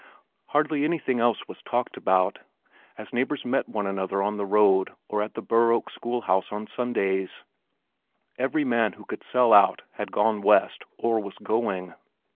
Hardly anything else was talked about as neighbors met one another on the road or at the Burr Oak school house on Sundays. Every man who could sell out had gone west or was going.